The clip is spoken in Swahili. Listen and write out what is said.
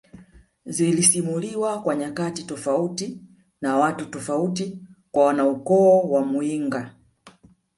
zilisimuliwa kwa nyakati tofauti na watu tofauti kwa wanaukoo wa muyinga